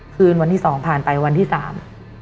คืนวันที่สองผ่านไปวันที่สาม